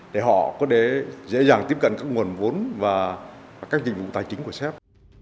để họ có thể dễ dàng tiếp cận các nguồn vốn và các dịch vụ tài chính của sép